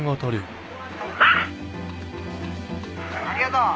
ありがとう。